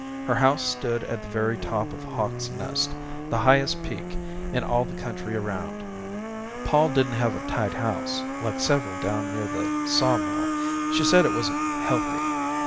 Her house stood at the very top of Hawks Nest, the highest peak in all the country around. Pol didn't have a tight house like several down near the sawmill. She said it wasn't healthy.